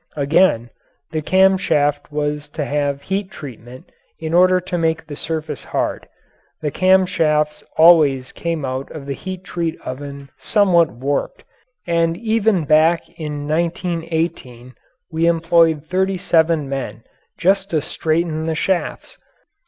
Again, the camshaft has to have heat treatment in order to make the surface hard; the cam shafts always came out of the heat treat oven somewhat warped, and even back in 1918, we employed 37 men just to straighten the shafts.